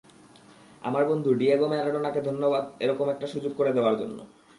আমার বন্ধু ডিয়েগো ম্যারাডোনাকে ধন্যবাদ এরকম একটা সুযোগ করে দেওয়ার জন্য।